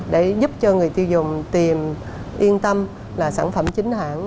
để giúp cho người tiêu dùng tiền yên tâm là sản phẩm chính hãng